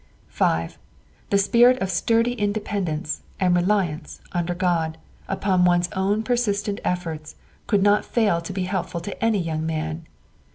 "5. The spirit of sturdy independence, and a reliance, under God, upon one's own persistent efforts, could not fail to be helpful to any young man.